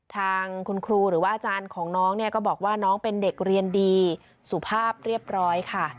ทางคุณครูหรือว่าอาจารย์ของน้องเนี่ยก็บอกว่าน้องเป็นเด็กเรียนดีสุภาพเรียบร้อยค่ะ